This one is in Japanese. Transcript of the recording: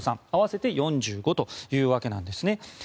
合わせて４５というわけなんですね。